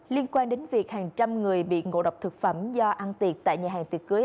liên quan đến việc hàng trăm người bị ngộ độc thực phẩm do ăn tiệc tại nhà hàng tiệc cưới